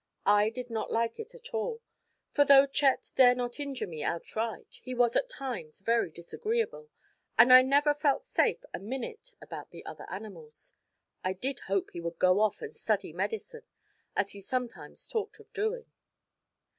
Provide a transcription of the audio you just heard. I did not like it at all; for though Chet dare not injure me outright, he was at times very disagreeable, and I never felt safe a minute about the other animals. I did hope he would go off and study medicine, as he sometimes talked of doing.